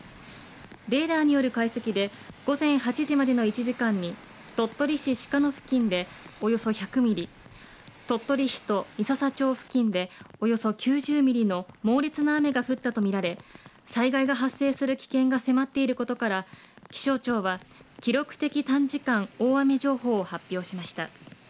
レーダーによる解析で午前８時までの１時間に、鳥取市鹿野付近でおよそ１００ミリ、鳥取市と三朝町付近でおよそ９０ミリの猛烈な雨が降ったと見られ、災害が発生する危険が迫っていることから、気象庁は記録的短時間大雨情報を発表しました。